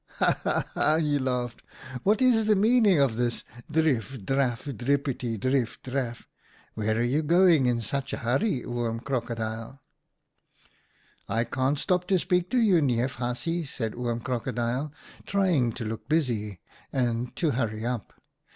'Ha! ha! ha!' he laughed, 'what is the meaning of this drif draf drippity drif draf? Where are you going in such a hurry, Oom Crocodile ?'•• 4 1 can't stop to speak to you, Neef Haasje,' said Oom Crocodile, trying to look busy and to hurry up.